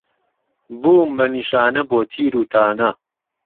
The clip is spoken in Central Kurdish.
بووم به نیشانه بۆ تیروتانه